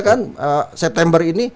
kan september ini